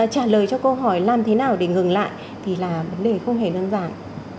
trả lời cho câu hỏi làm thế nào để ngừng lại thì là vấn đề không hề đơn giản